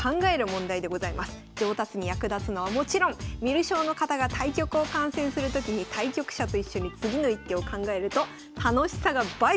上達に役立つのはもちろん観る将の方が対局を観戦する時に対局者と一緒に次の一手を考えると楽しさが倍増します。